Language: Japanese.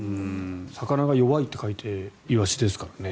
魚が弱いと書いてイワシですからね。